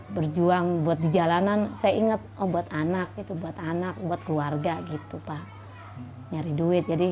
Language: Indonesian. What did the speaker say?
berjuang buat di jalanan saya ingat obat anak itu buat anak buat keluarga gitu pak nyari duit jadi